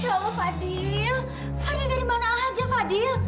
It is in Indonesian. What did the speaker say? ya allah fadil fadil dari mana aja fadil